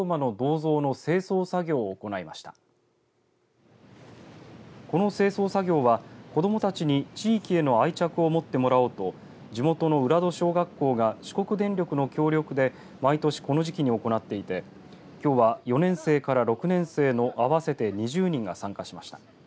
この清掃作業は子どもたちに、地域への愛着を持ってもらおうと地元の浦戸小学校が四国電力の協力で毎年この時期に行っていてきょうは、４年生から６年生の合わせて２０人が参加しました。